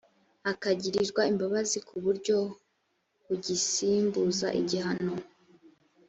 akagirirwa imbabazi ku buryo bugisimbuza igihano